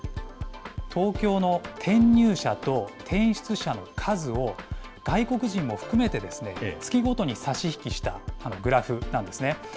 東京の転入者と転出者の数を外国人を含めて月ごとに差し引きしたグラフなんですね。